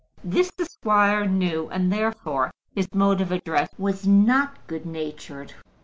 This the squire knew, and therefore his mode of address was not good natured.